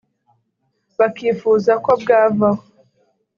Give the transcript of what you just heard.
bakifuza ko bwavaho